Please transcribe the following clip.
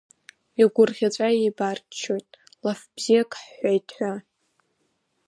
Игәырӷьаҵәа еибарччоит, лаф бзиак ҳҳәеит ҳәа.